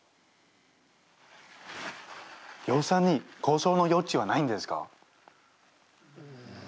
予算に交渉の余地はないんですか？